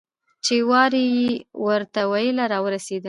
چې ورا یې ورته ویله راورسېدل.